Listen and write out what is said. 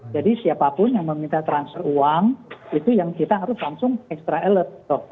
jadi siapapun yang meminta transfer uang itu yang kita harus langsung extra alert